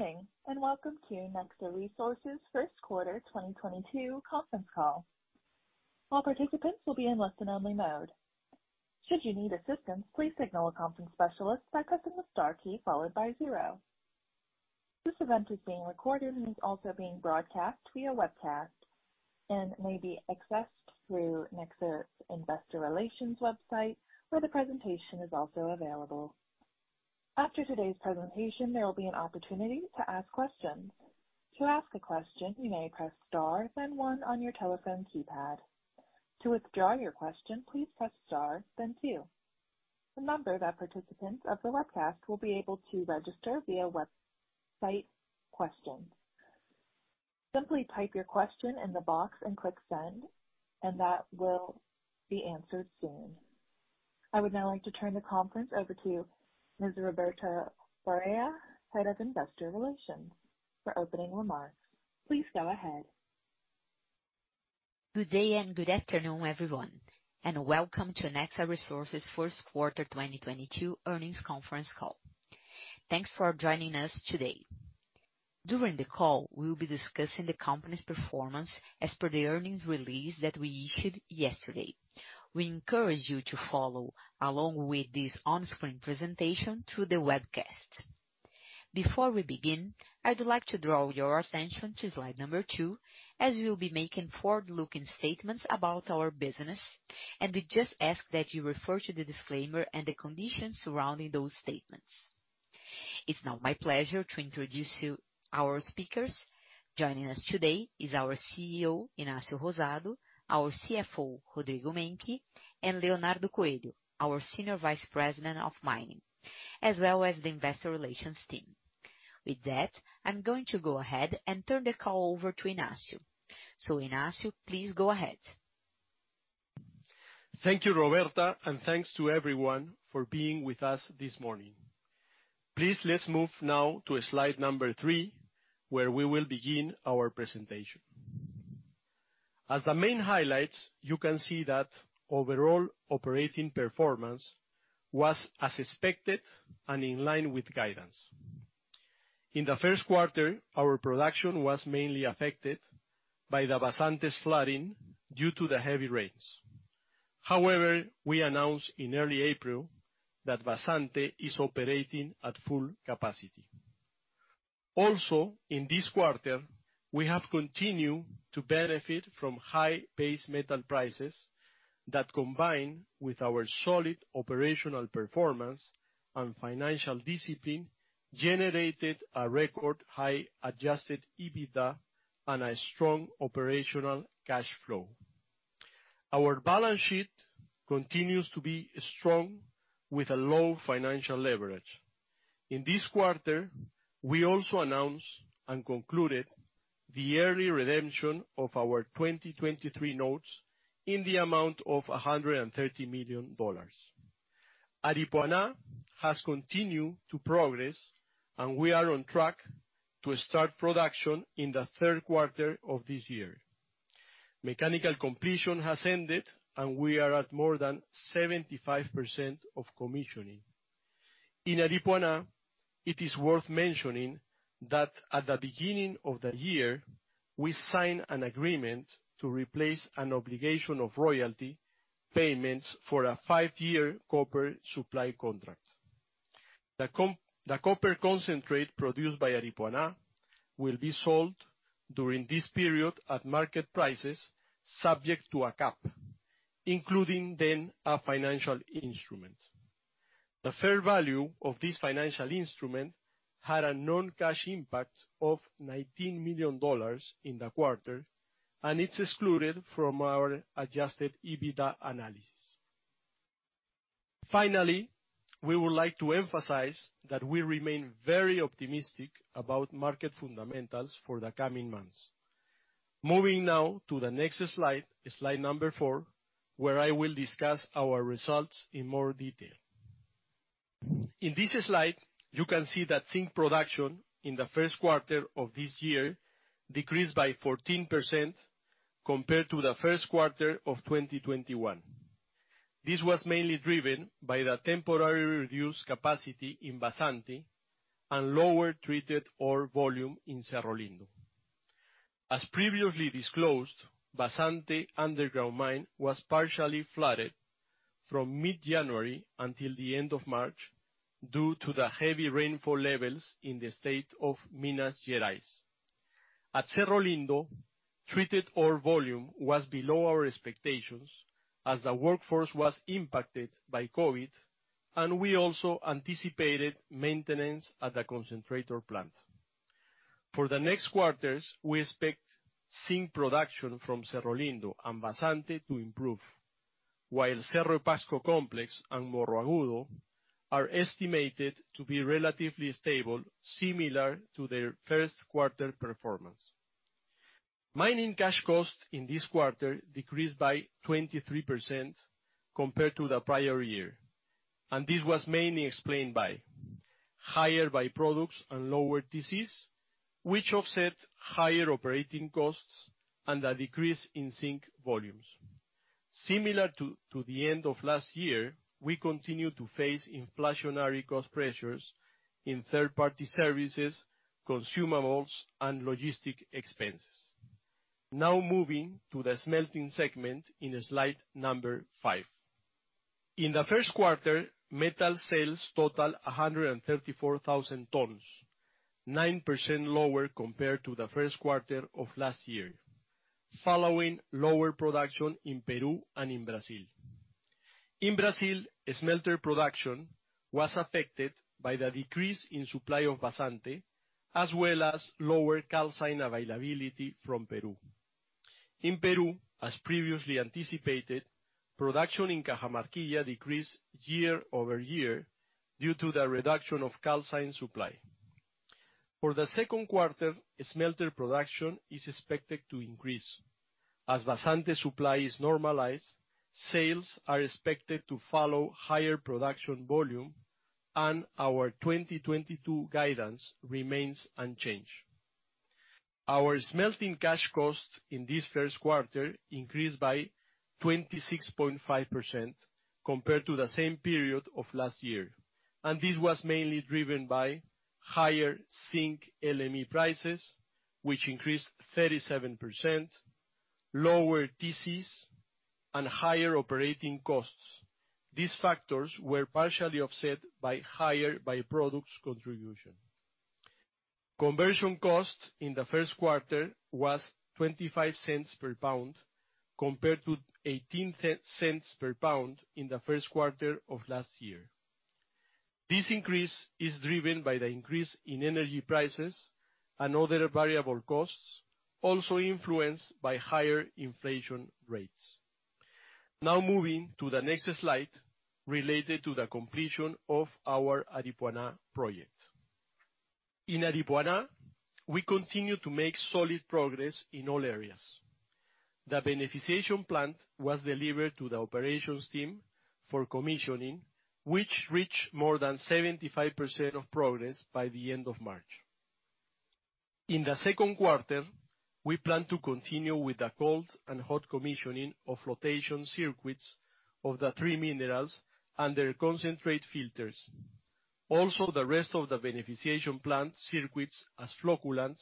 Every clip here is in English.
Good morning, and welcome to Nexa Resources first quarter 2022 conference call. All participants will be in listen-only mode. Should you need assistance, please signal a conference specialist by pressing the star key followed by zero. This event is being recorded and is also being broadcast via webcast, and may be accessed through Nexa's investor relations website, where the presentation is also available. After today's presentation, there will be an opportunity to ask questions. To ask a question, you may press star then one on your telephone keypad. To withdraw your question, please press star then two. Remember that participants of the webcast will be able to register via website questions. Simply type your question in the box and click Send, and that will be answered soon. I would now like to turn the conference over to Ms. Roberta Varella, Head of Investor Relations for opening remarks. Please go ahead. Good day and good afternoon, everyone, and welcome to Nexa Resources first quarter 2022 earnings conference call. Thanks for joining us today. During the call, we'll be discussing the company's performance as per the earnings release that we issued yesterday. We encourage you to follow along with this on-screen presentation through the webcast. Before we begin, I'd like to draw your attention to slide number two, as we'll be making forward-looking statements about our business, and we just ask that you refer to the disclaimer and the conditions surrounding those statements. It's now my pleasure to introduce to you our speakers. Joining us today is our CEO, Ignacio Rosado, our CFO, Rodrigo Menck, and Leonardo Coelho, our Senior Vice President of Mining, as well as the investor relations team. With that, I'm going to go ahead and turn the call over to Ignacio. Ignacio, please go ahead. Thank you, Roberta, and thanks to everyone for being with us this morning. Please, let's move now to slide number three, where we will begin our presentation. As the main highlights, you can see that overall operating performance was as expected and in line with guidance. In the first quarter, our production was mainly affected by the Vazante's flooding due to the heavy rains. However, we announced in early April that Vazante is operating at full capacity. Also, in this quarter, we have continued to benefit from high base metal prices that combine with our solid operational performance and financial discipline, generated a record high-adjusted EBITDA and a strong operational cash flow. Our balance sheet continues to be strong with a low financial leverage. In this quarter, we also announced and concluded the early redemption of our 2023 notes in the amount of $130 million. Aripuanã has continued to progress, and we are on track to start production in the third quarter of this year. Mechanical completion has ended, and we are at more than 75% of commissioning. In Aripuanã, it is worth mentioning that at the beginning of the year, we signed an agreement to replace an obligation of royalty payments for a five-year copper supply contract. The copper concentrate produced by Aripuanã will be sold during this period at market prices subject to a cap, including then a financial instrument. The fair value of this financial instrument had a non-cash impact of $19 million in the quarter, and it's excluded from our adjusted EBITDA analysis. Finally, we would like to emphasize that we remain very optimistic about market fundamentals for the coming months. Moving now to the next slide number four, where I will discuss our results in more detail. In this slide, you can see that zinc production in the first quarter of this year decreased by 14% compared to the first quarter of 2021. This was mainly driven by the temporary reduced capacity in Vazante and lower treated ore volume in Cerro Lindo. As previously disclosed, Vazante underground mine was partially flooded from mid-January until the end of March due to the heavy rainfall levels in the state of Minas Gerais. At Cerro Lindo, treated ore volume was below our expectations as the workforce was impacted by COVID, and we also anticipated maintenance at the concentrator plant. For the next quarters, we expect zinc production from Cerro Lindo and Vazante to improve, while Pasco Complex and Morro Agudo are estimated to be relatively stable, similar to their first quarter performance. Mining cash costs in this quarter decreased by 23% compared to the prior year. This was mainly explained by higher byproducts and lower TCs, which offset higher operating costs and a decrease in zinc volumes. Similar to the end of last year, we continue to face inflationary cost pressures in third-party services, consumables, and logistic expenses. Now moving to the smelting segment in slide number five. In the first quarter, metal sales total 134,000 tons, 9% lower compared to the first quarter of last year, following lower production in Peru and in Brazil. In Brazil, smelter production was affected by the decrease in supply of Vazante, as well as lower calcine availability from Peru. In Peru, as previously anticipated, production in Cajamarquilla decreased year-over-year due to the reduction of calcine supply. For the second quarter, smelter production is expected to increase. As Vazante supply is normalized, sales are expected to follow higher production volume and our 2022 guidance remains unchanged. Our smelting cash costs in this first quarter increased by 26.5% compared to the same period of last year, and this was mainly driven by higher zinc LME prices, which increased 37%, lower TCs, and higher operating costs. These factors were partially offset by higher by-products contribution. Conversion costs in the first quarter was $0.25 per pound compared to $0.182 per pound in the first quarter of last year. This increase is driven by the increase in energy prices and other variable costs, also influenced by higher inflation rates. Now moving to the next slide related to the completion of our Aripuanã project. In Aripuanã, we continue to make solid progress in all areas. The beneficiation plant was delivered to the operations team for commissioning, which reached more than 75% of progress by the end of March. In the second quarter, we plan to continue with the cold and hot commissioning of flotation circuits of the three minerals and their concentrate filters. Also, the rest of the beneficiation plant circuits as flocculants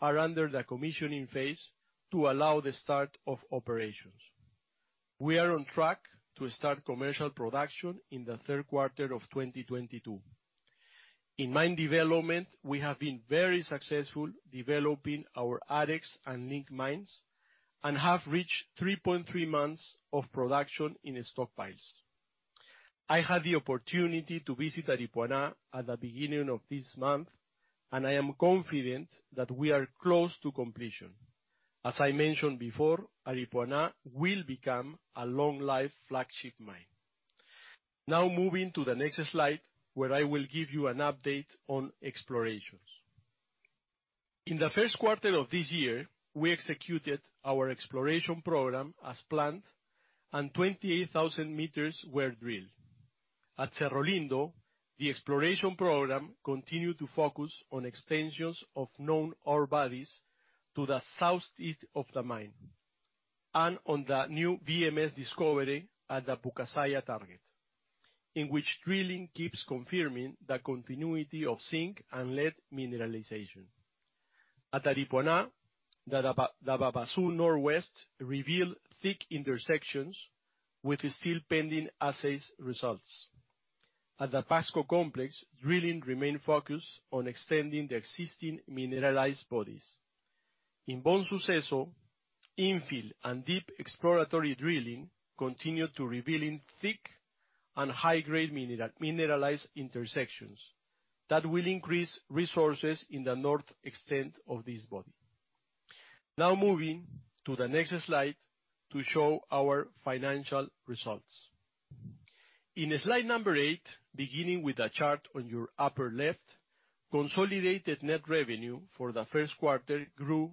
are under the commissioning phase to allow the start of operations. We are on track to start commercial production in the third quarter of 2022. In mine development, we have been very successful developing our Arex and Link mines, and have reached 3.3 months of production in stockpiles. I had the opportunity to visit Aripuanã at the beginning of this month, and I am confident that we are close to completion. As I mentioned before, Aripuanã will become a long-life flagship mine. Now moving to the next slide, where I will give you an update on explorations. In the first quarter of this year, we executed our exploration program as planned, and 28,000 meters were drilled. At Cerro Lindo, the exploration program continued to focus on extensions of known ore bodies to the southeast of the mine, and on the new VMS discovery at the Pucasaia target, in which drilling keeps confirming the continuity of zinc and lead mineralization. At Aripuanã, the Babaçu Northwest reveal thick intersections with still pending assay results. At the Pasco Complex, drilling remained focused on extending the existing mineralized bodies. In Buen Suceso, infill and deep exploratory drilling continued to reveal thick and high-grade mineralized intersections that will increase resources in the north extent of this body. Now moving to the next slide to show our financial results. In slide number eight, beginning with the chart on your upper left, consolidated net revenue for the first quarter grew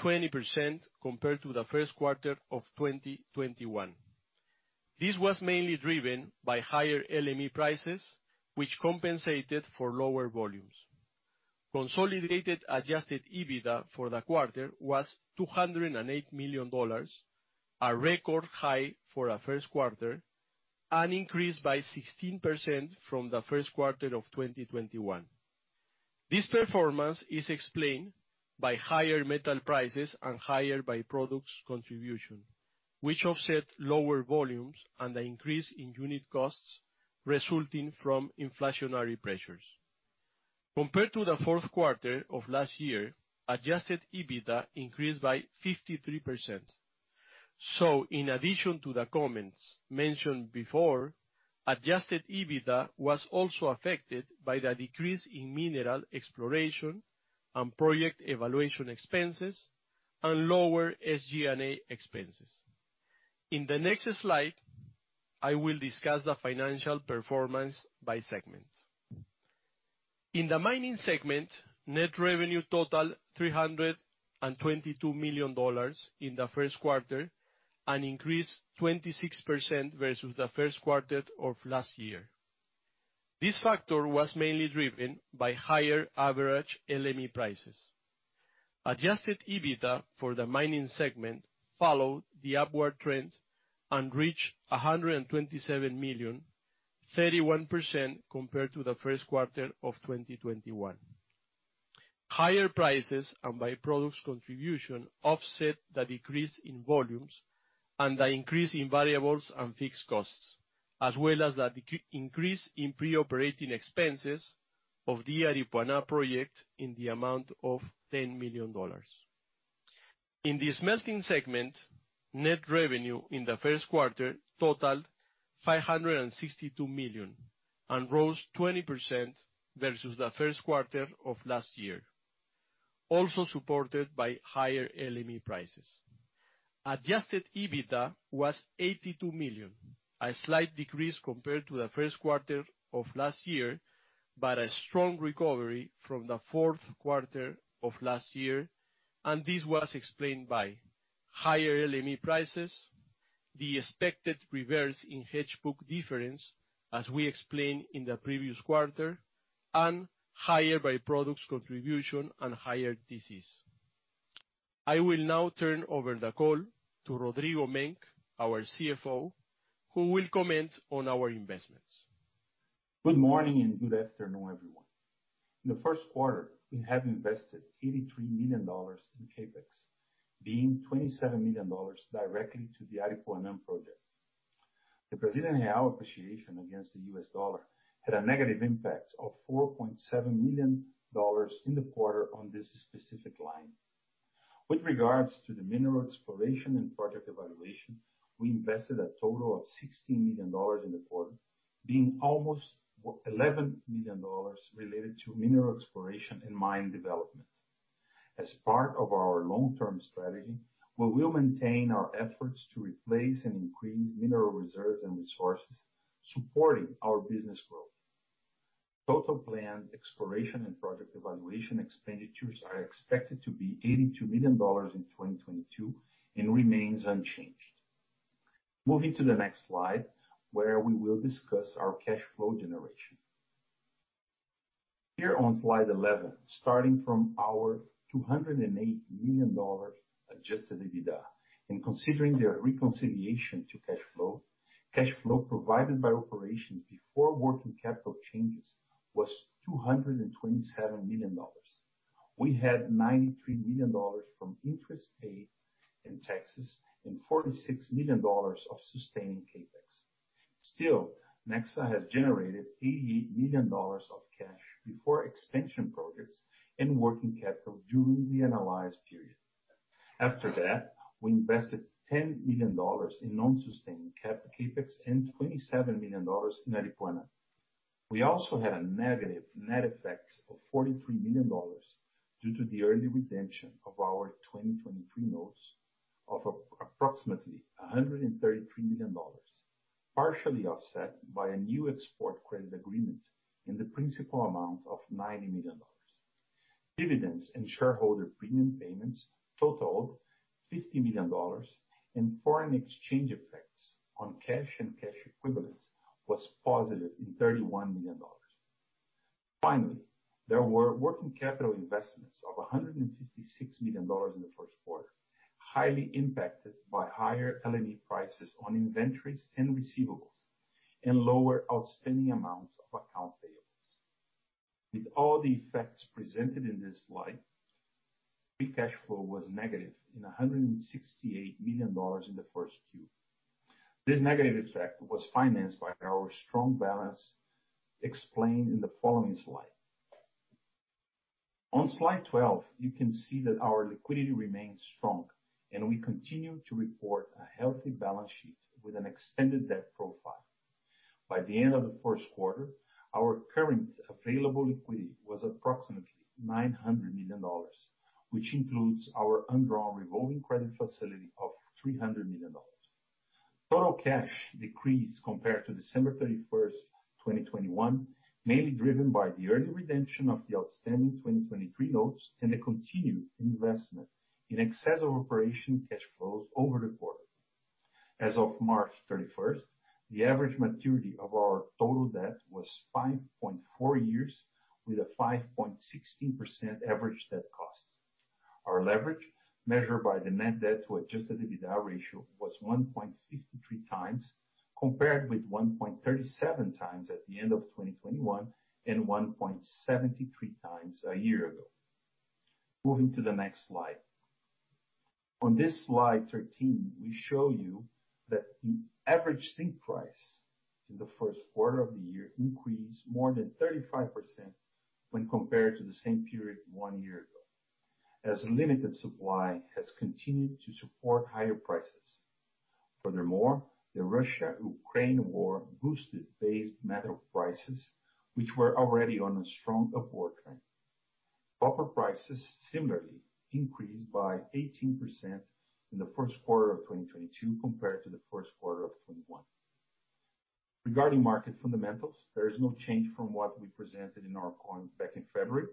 20% compared to the first quarter of 2021. This was mainly driven by higher LME prices, which compensated for lower volumes. Consolidated adjusted EBITDA for the quarter was $208 million, a record high for a first quarter, and increased by 16% from the first quarter of 2021. This performance is explained by higher metal prices and higher by-products contribution, which offset lower volumes and an increase in unit costs resulting from inflationary pressures. Compared to the fourth quarter of last year, adjusted EBITDA increased by 53%. In addition to the comments mentioned before, adjusted EBITDA was also affected by the decrease in mineral exploration and project evaluation expenses and lower SG&A expenses. In the next slide, I will discuss the financial performance by segment. In the mining segment, net revenue totaled $322 million in the first quarter and increased 26% versus the first quarter of last year. This factor was mainly driven by higher average LME prices. Adjusted EBITDA for the mining segment followed the upward trend and reached $127 million, 31% compared to the first quarter of 2021. Higher prices and by-products contribution offset the decrease in volumes and the increase in variable and fixed costs, as well as the decrease in pre-operating expenses of the Aripuanã project in the amount of $10 million. In the smelting segment, net revenue in the first quarter totaled $562 million and rose 20% versus the first quarter of last year, also supported by higher LME prices. Adjusted EBITDA was $82 million, a slight decrease compared to the first quarter of last year, but a strong recovery from the fourth quarter of last year, and this was explained by higher LME prices, the expected reverse in hedge book difference, as we explained in the previous quarter, and higher by-products contribution and higher TCs. I will now turn over the call to Rodrigo Menck, our CFO, who will comment on our investments. Good morning and good afternoon, everyone. In the first quarter, we have invested $83 million in CapEx, being $27 million directly to the Aripuanã project. The Brazilian real appreciation against the US dollar had a negative impact of $4.7 million in the quarter on this specific line. With regards to the mineral exploration and project evaluation, we invested a total of $16 million in the quarter, being almost $11 million related to mineral exploration and mine development. As part of our long-term strategy, we will maintain our efforts to replace and increase mineral reserves and resources, supporting our business growth. Total planned exploration and project evaluation expenditures are expected to be $82 million in 2022 and remains unchanged. Moving to the next slide, where we will discuss our cash flow generation. Here on slide eleven, starting from our $208 million adjusted EBITDA, and considering their reconciliation to cash flow, cash flow provided by operations before working capital changes was $227 million. We had $93 million from interest paid in taxes and $46 million of sustaining CapEx. Still, Nexa has generated $80 million of cash before expansion projects and working capital during the analyzed period. After that, we invested $10 million in non-sustaining CapEx and $27 million in Aripuanã. We also had a negative net effect of $43 million due to the early redemption of our 2023 notes of approximately a $133 million, partially offset by a new export credit agreement in the principal amount of $90 million. Dividends and shareholder premium payments totaled $50 million, and foreign exchange effects on cash and cash equivalents was positive in $31 million. Finally, there were working capital investments of $156 million in the first quarter, highly impacted by higher LME prices on inventories and receivables, and lower outstanding amounts of accounts payable. With all the effects presented in this slide, free cash flow was negative in $168 million in the first Q. This negative effect was financed by our strong balance sheet explained in the following slide. On slide 12, you can see that our liquidity remains strong, and we continue to report a healthy balance sheet with an extended debt profile. By the end of the first quarter, our current available liquidity was approximately $900 million, which includes our undrawn revolving credit facility of $300 million. Total cash decreased compared to December 31, 2021, mainly driven by the early redemption of the outstanding 2023 notes and the continued investment in excess of operating cash flows over the quarter. As of March 31, the average maturity of our total debt was 5.4 years with a 5.16% average debt cost. Our leverage, measured by the net debt to adjusted EBITDA ratio, was 1.53x, compared with 1.37x at the end of 2021 and 1.73x a year ago. Moving to the next slide. On this slide 13, we show you that the average zinc price in the first quarter of the year increased more than 35% when compared to the same period one year ago, as limited supply has continued to support higher prices. Furthermore, the Russia-Ukraine war boosted base metal prices, which were already on a strong upward trend. Copper prices similarly increased by 18% in the first quarter of 2022 compared to the first quarter of 2021. Regarding market fundamentals, there is no change from what we presented in our call back in February.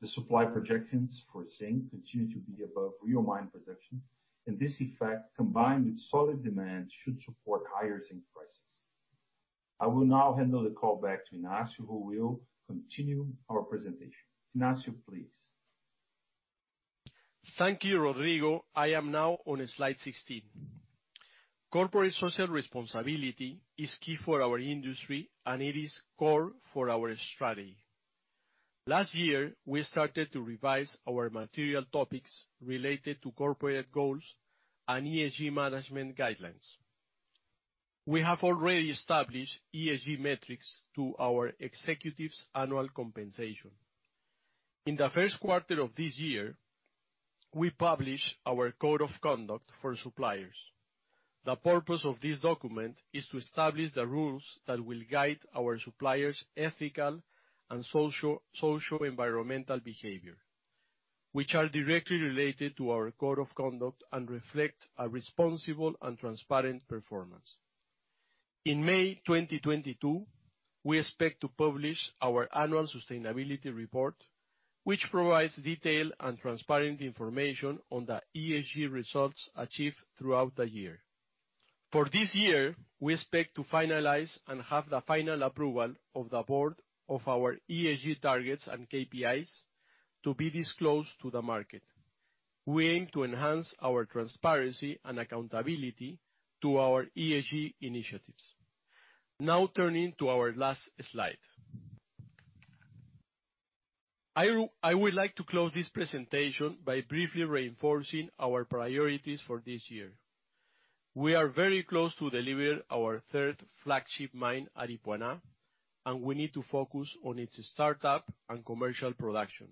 The supply projections for zinc continue to be above real mine production, and this effect, combined with solid demand, should support higher zinc prices. I will now hand over the call back to Ignacio who will continue our presentation. Ignacio, please. Thank you, Rodrigo. I am now on slide 16. Corporate social responsibility is key for our industry, and it is core for our strategy. Last year, we started to revise our material topics related to corporate goals and ESG management guidelines. We have already established ESG metrics to our executives' annual compensation. In the first quarter of this year, we published our code of conduct for suppliers. The purpose of this document is to establish the rules that will guide our suppliers' ethical and socio-environmental behavior, which are directly related to our code of conduct and reflect a responsible and transparent performance. In May 2022, we expect to publish our annual sustainability report, which provides detailed and transparent information on the ESG results achieved throughout the year. For this year, we expect to finalize and have the final approval of the board of our ESG targets and KPIs to be disclosed to the market. We aim to enhance our transparency and accountability to our ESG initiatives. Now turning to our last slide. I would like to close this presentation by briefly reinforcing our priorities for this year. We are very close to deliver our third flagship mine, Aripuanã, and we need to focus on its startup and commercial production,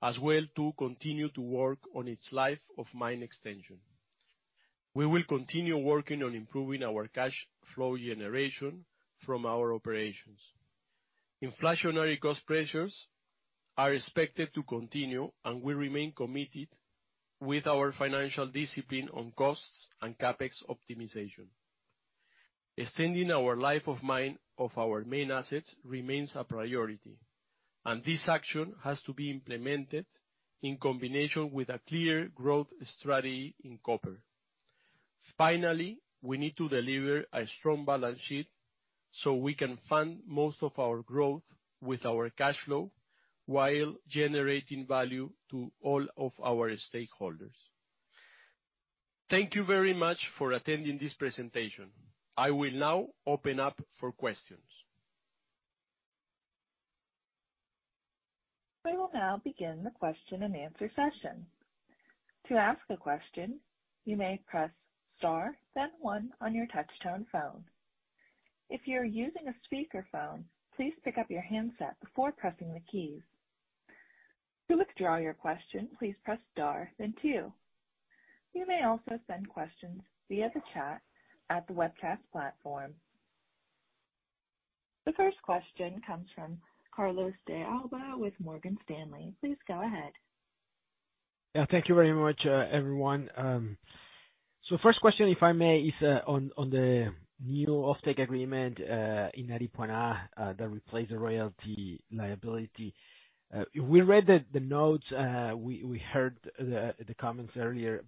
as well to continue to work on its life of mine extension. We will continue working on improving our cash flow generation from our operations. Inflationary cost pressures are expected to continue, and we remain committed with our financial discipline on costs and CapEx optimization. Extending our life of mine of our main assets remains a priority, and this action has to be implemented in combination with a clear growth strategy in copper. Finally, we need to deliver a strong balance sheet so we can fund most of our growth with our cash flow while generating value to all of our stakeholders. Thank you very much for attending this presentation. I will now open up for questions. We will now begin the question-and-answer session. To ask a question, you may press star then one on your touch tone phone. If you are using a speaker phone, please pick up your handset before pressing the keys. To withdraw your question, please press star then two. You may also send questions via the chat at the webcast platform. The first question comes from Carlos de Alba with Morgan Stanley. Please go ahead. Yeah. Thank you very much, everyone. So first question, if I may, is on the new offtake agreement in Aripuanã that replaced the royalty liability. We read the notes. We heard the comments earlier.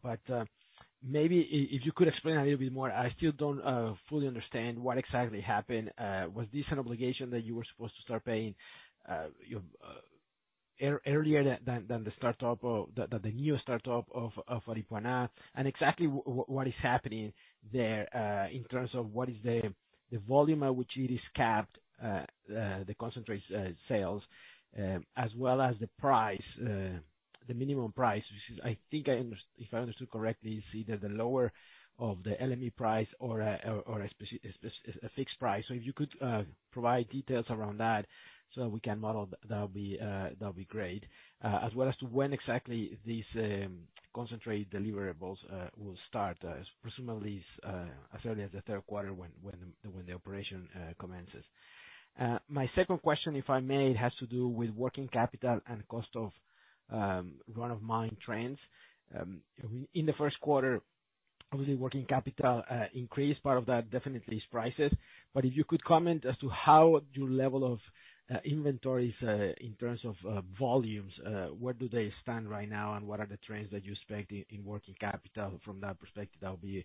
Maybe if you could explain a little bit more, I still don't fully understand what exactly happened. Was this an obligation that you were supposed to start paying earlier than the new start of Aripuanã, and exactly what is happening there in terms of what is the volume at which it is capped, the concentrate sales, as well as the price, the minimum price. Which is, I think, if I understood correctly, it's either the lower of the LME price or a fixed price. So if you could provide details around that so we can model, that'll be great. As well as to when exactly these concentrate deliverables will start. Presumably, as early as the third quarter when the operation commences. My second question, if I may, has to do with working capital and cost of run-of-mine trends. In the first quarter, obviously working capital increased. Part of that definitely is prices. If you could comment as to how your level of inventories in terms of volumes where do they stand right now, and what are the trends that you expect in working capital from that perspective? That would be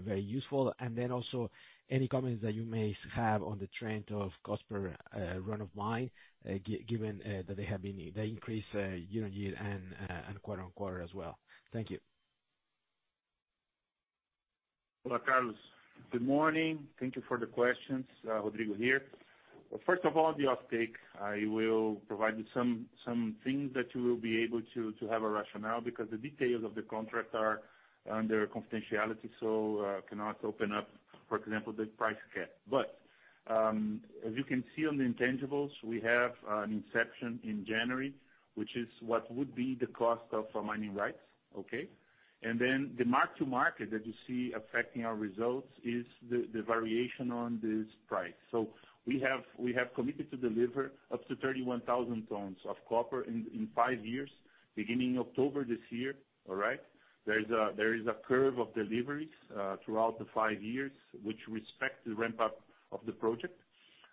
very useful. Also, any comments that you may have on the trend of cost per run-of-mine given that they have been they increased year-over-year and quarter-over-quarter as well. Thank you. Hola, Carlos. Good morning. Thank you for the questions. Rodrigo Menck here. First of all, the offtake. I will provide you some things that you will be able to have a rationale because the details of the contract are under confidentiality, so cannot open up, for example, the price cap. As you can see on the intangibles, we have an inception in January, which is what would be the cost of our mining rights. Okay? Then the mark to market that you see affecting our results is the variation on this price. We have committed to deliver up to 31,000 tons of copper in five years, beginning October this year. All right? There is a curve of deliveries throughout the five years, which respect the ramp-up of the project.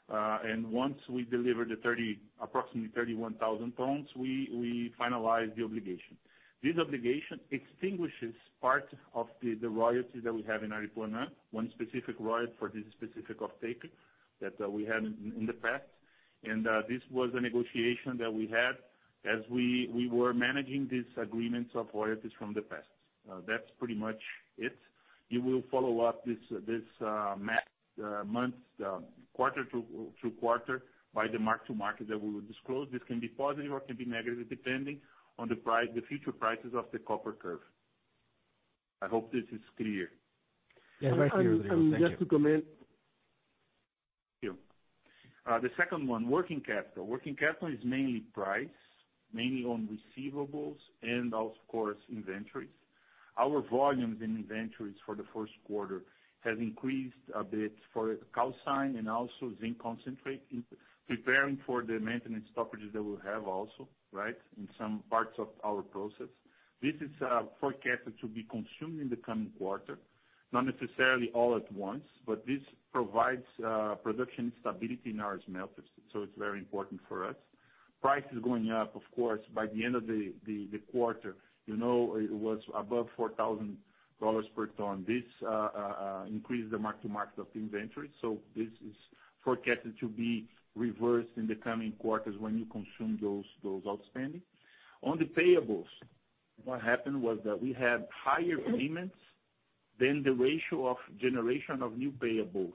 Once we deliver the 30, approximately 31,000 tons, we finalize the obligation. This obligation extinguishes part of the royalty that we have in Aripuanã, one specific royalty for this specific offtake that we had in the past. This was a negotiation that we had as we were managing these agreements of royalties from the past. That's pretty much it. You will follow up this month, quarter to quarter by the mark-to-market that we will disclose. This can be positive or it can be negative, depending on the price, the future prices of the copper curve. I hope this is clear. Yeah, very clear. Thank you. Just to comment. Yeah. The second one, working capital. Working capital is mainly price, mainly on receivables and of course, inventories. Our volumes in inventories for the first quarter has increased a bit for calcine and also zinc concentrate in preparing for the maintenance stoppages that we have also, right? In some parts of our process. This is forecasted to be consumed in the coming quarter. Not necessarily all at once, but this provides production stability in our smelters, so it's very important for us. Price is going up, of course, by the end of the quarter. You know, it was above $4,000 per ton. This increase the mark to market of inventory, so this is forecasted to be reversed in the coming quarters when you consume those outstanding. On the payables, what happened was that we had higher payments than the ratio of generation of new payables.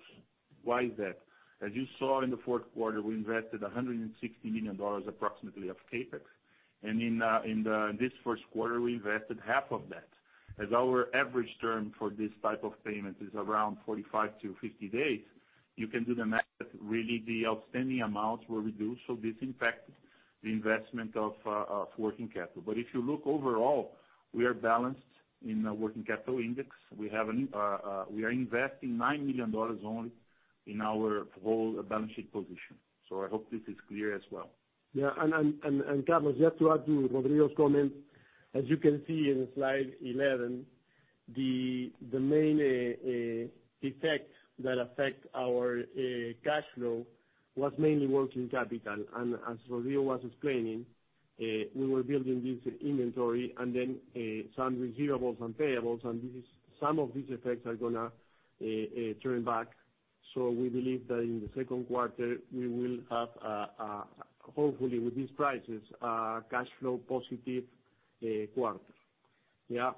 Why is that? As you saw in the fourth quarter, we invested $160 million, approximately of CapEx. In this first quarter, we invested half of that. As our average term for this type of payment is around 45-50 days, you can do the math, really the outstanding amounts were reduced, so this impacted the investment of working capital. If you look overall, we are balanced in the working capital index. We are investing $9 million only in our whole balance sheet position. I hope this is clear as well. Yeah. Carlos, just to add to Rodrigo's comment. As you can see in slide 11, the main effect that affect our cash flow was mainly working capital. As Rodrigo was explaining, we were building this inventory and then some receivables and payables, and this is, some of these effects are gonna turn back. So we believe that in the second quarter, we will have hopefully with these prices cash flow positive quarter. Yeah.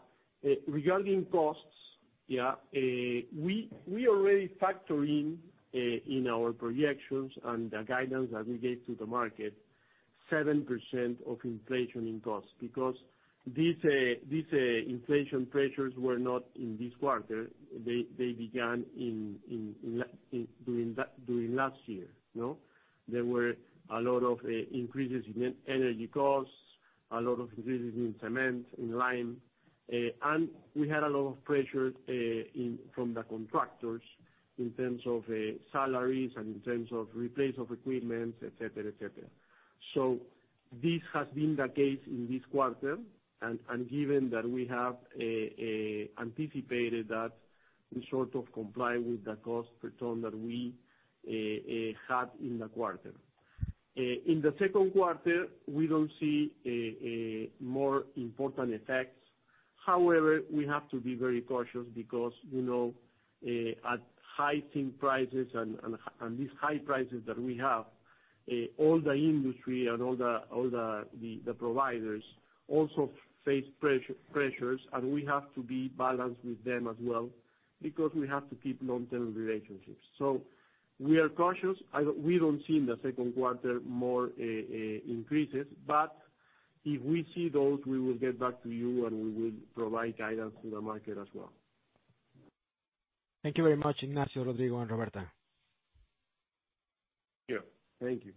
Regarding costs, yeah, we already factor in in our projections and the guidance that we gave to the market, 7% of inflation in costs because these inflation pressures were not in this quarter. They began during last year, you know? There were a lot of increases in energy costs, a lot of increases in cement, in lime. We had a lot of pressure from the contractors in terms of salaries and in terms of replacement of equipment, et cetera. This has been the case in this quarter. Given that we have anticipated that, we sort of comply with the cost per ton that we had in the quarter. In the second quarter, we don't see a more important effects. However, we have to be very cautious because, you know, at high tin prices and these high prices that we have, all the industry and all the providers also face pressures, and we have to be balanced with them as well because we have to keep long-term relationships. We are cautious. We don't see in the second quarter more increases. If we see those, we will get back to you, and we will provide guidance to the market as well. Thank you very much, Ignacio, Rodrigo, and Roberta. Yeah. Thank you.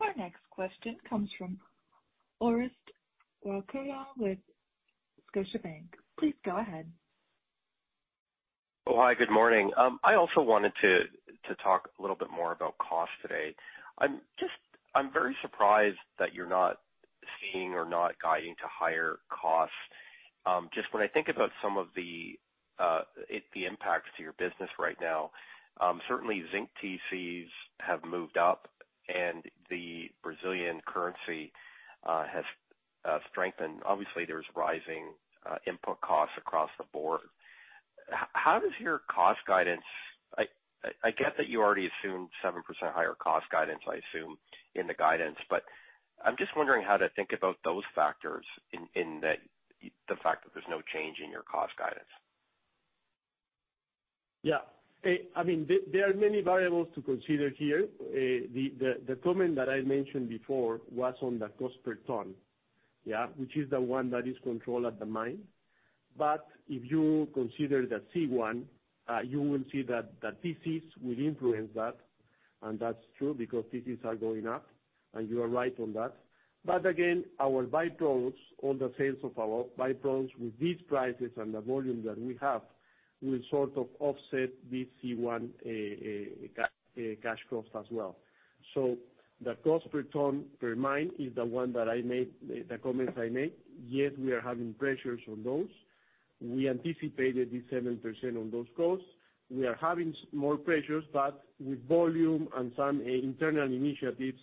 Our next question comes from Orest Wowkodaw with Scotiabank. Please go ahead. Oh, hi, good morning. I also wanted to talk a little bit more about cost today. I'm just very surprised that you're not seeing or not guiding to higher costs. Just when I think about some of the impacts to your business right now, certainly zinc TCs have moved up and the Brazilian currency has strengthened. Obviously, there's rising input costs across the board. How does your cost guidance. I get that you already assumed 7% higher cost guidance, I assume, in the guidance. But I'm just wondering how to think about those factors in the fact that there's no change in your cost guidance. Yeah. I mean, there are many variables to consider here. The comment that I mentioned before was on the cost per ton, yeah, which is the one that is controlled at the mine. If you consider the C1, you will see that the TCs will influence that, and that's true because TCs are going up, and you are right on that. Again, our byproducts, all the sales of our byproducts with these prices and the volume that we have, will sort of offset this C1 cash cost as well. The cost per ton per mine is the one that I made, the comments I made, yet we are having pressures on those. We anticipated the 7% on those costs. We are having more pressures, but with volume and some internal initiatives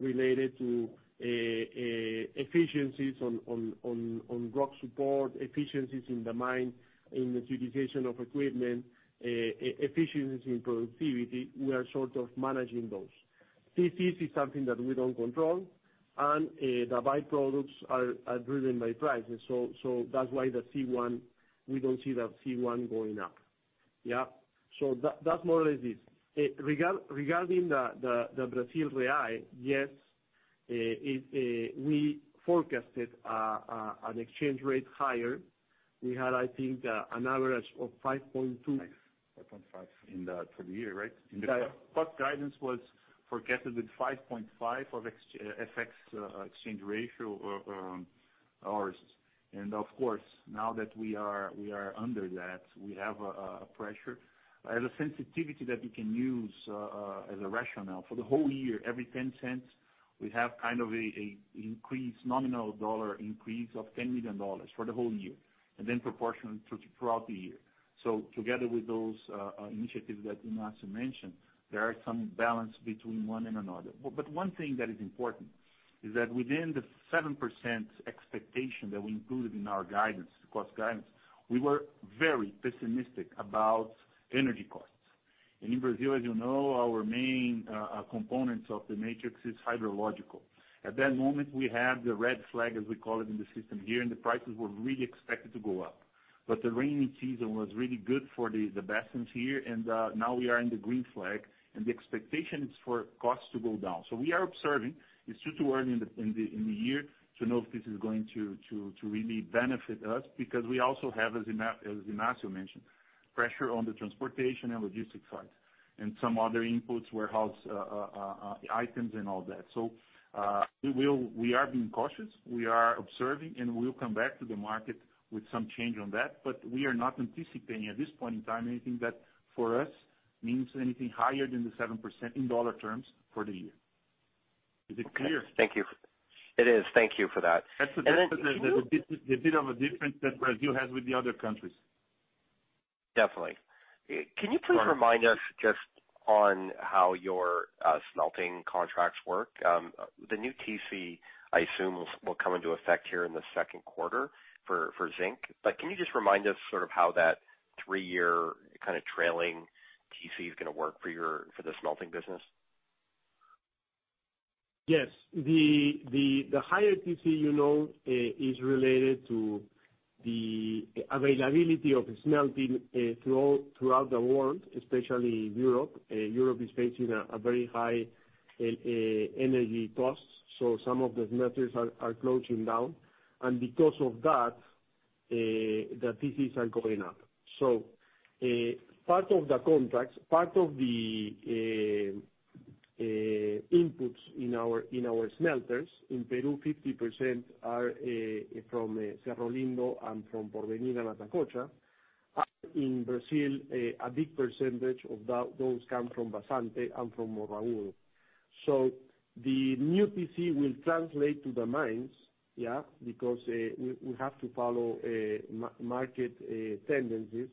related to efficiencies on rock support, efficiencies in the mine, in the utilization of equipment, efficiency in productivity, we are sort of managing those. TC is something that we don't control, and the by-products are driven by price. That's why the C1, we don't see that C1 going up. Yeah. That's more or less it. Regarding the Brazilian real, yes, it, we forecasted an exchange rate higher. We had, I think, an average of 5.2- 5.5 for the year, right? Yeah. Guidance was forecasted with 5.5 of FX exchange rate ours. Of course, now that we are under that, we have a pressure. As a sensitivity that we can use as a rationale for the whole year, every 10 cents, we have kind of an increased nominal dollar increase of $10 million for the whole year, and then proportionally throughout the year. Together with those initiatives that Ignacio mentioned, there are some balance between one and another. One thing that is important is that within the 7% expectation that we included in our guidance, cost guidance, we were very pessimistic about energy costs. In Brazil, as you know, our main components of the matrix is hydrological. At that moment, we had the red flag, as we call it, in the system here, and the prices were really expected to go up. The rainy season was really good for the basins here, and now we are in the green flag, and the expectation is for costs to go down. We are observing. It's too early in the year to know if this is going to really benefit us because we also have, as Ignacio mentioned, pressure on the transportation and logistics side, and some other inputs, warehouse items and all that. We are being cautious, we are observing, and we'll come back to the market with some change on that, but we are not anticipating, at this point in time, anything that for us means anything higher than 7% in dollar terms for the year. Is it clear? Okay. Thank you. It is. Thank you for that. Can you? That's the difference, a bit of a difference that Brazil has with the other countries. Definitely. Can you please remind us just on how your smelting contracts work? The new TC, I assume, will come into effect here in the second quarter for zinc. Can you just remind us sort of how that three-year kind of trailing TC is gonna work for the smelting business? Yes. The higher TC, you know, is related to the availability of smelting throughout the world, especially Europe. Europe is facing a very high energy cost, so some of the smelters are closing down. Because of that, the TCs are going up. Part of the contracts, part of the inputs in our smelters in Peru, 50% are from Cerro Lindo and from El Porvenir and Atacocha. In Brazil, a big percentage of those come from Vazante and from Morro Agudo. The new TC will translate to the mines, yeah, because we have to follow market tendencies,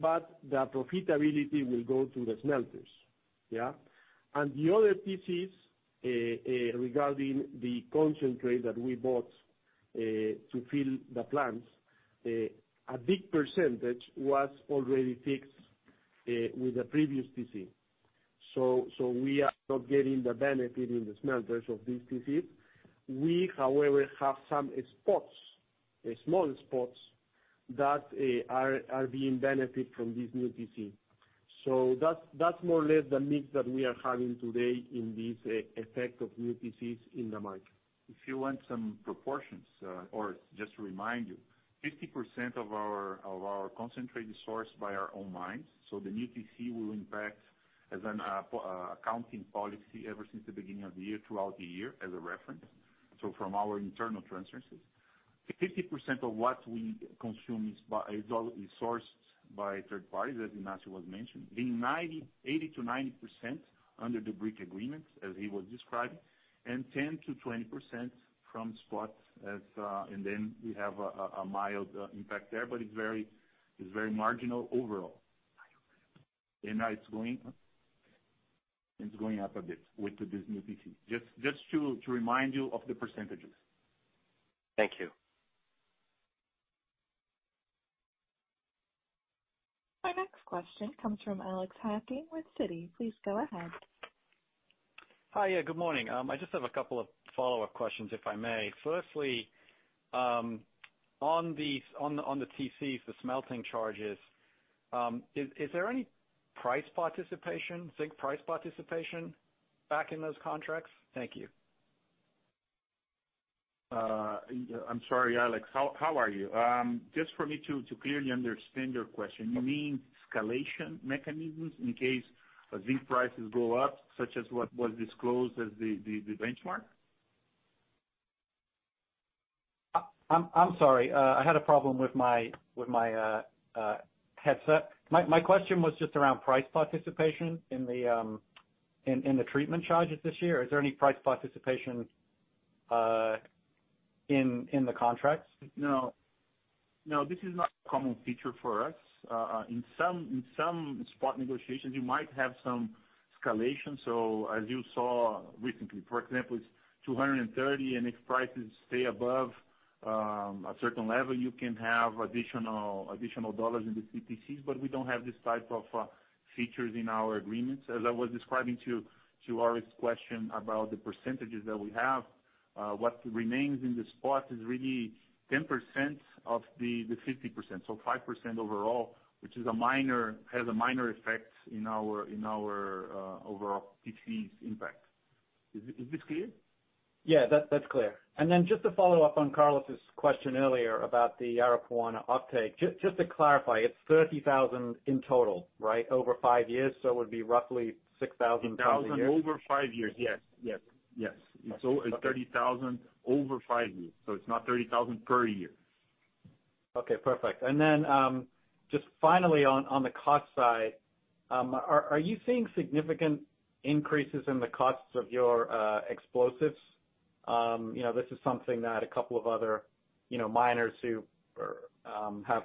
but the profitability will go to the smelters. Yeah? The other TCs, regarding the concentrate that we bought to fill the plants, a big percentage was already fixed with the previous TC. We are not getting the benefit in the smelters of these TCs. We, however, have some spots, small spots that are being benefited from this new TC. That's more or less the mix that we are having today in this effect of new TCs in the market. If you want some proportions, or just to remind you, 50% of our concentrate is sourced by our own mines. The new TC will impact as an accounting policy ever since the beginning of the year, throughout the year as a reference, so from our internal transfers. 50% of what we consume is sourced by third parties, as Ignacio was mentioning. 80%-90% under the brick agreements, as he was describing, and 10%-20% from spots, and then we have a mild impact there, but it's very marginal overall. Now it's going up a bit with this new TC. Just to remind you of the percentages. Thank you. Our next question comes from Alex Hacking with Citi. Please go ahead. Hi. Yeah, good morning. I just have a couple of follow-up questions, if I may. Firstly, on the TCs, the smelting charges, is there any price participation, zinc price participation back in those contracts? Thank you. I'm sorry, Alex. How are you? Just for me to clearly understand your question, you mean escalation mechanisms in case zinc prices go up, such as what was disclosed as the benchmark? I'm sorry. I had a problem with my headset. My question was just around price participation in the treatment charges this year. Is there any price participation in the contracts? No, this is not a common feature for us. In some spot negotiations, you might have some escalation. As you saw recently, for example, it's 230, and if prices stay above a certain level, you can have additional dollars in the TCs, but we don't have this type of features in our agreements. As I was describing to Orest's question about the percentages that we have, what remains in the spot is really 10% of the 50%, so 5% overall, which has a minor effect in our overall TCs impact. Is this clear? Yeah, that's clear. Then just to follow up on Carlos's question earlier about the Aripuanã uptake. Just to clarify, it's 30,000 in total, right? Over five years, so it would be roughly 6,000 tons a year. Over five years. Yes. It's only 30,000 over five years, so it's not 30,000 per year. Okay, perfect. Just finally on the cost side, are you seeing significant increases in the costs of your explosives? You know, this is something that a couple of other, you know, miners who have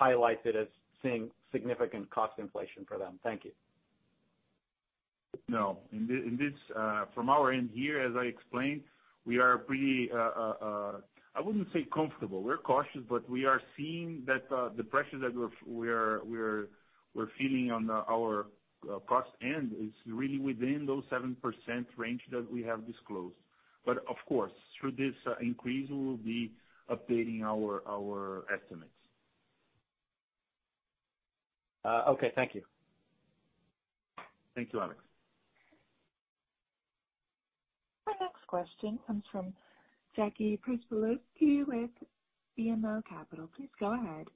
highlighted as seeing significant cost inflation for them. Thank you. No. In this, from our end here, as I explained, we are pretty, I wouldn't say comfortable, we're cautious, but we are seeing that the pressure that we're feeling on our cost end is really within those 7% range that we have disclosed. Of course, through this increase, we will be updating our estimates. Okay. Thank you. Thank you, Alex. Our next question comes from Jackie Przybylowski with BMO Capital. Please go ahead.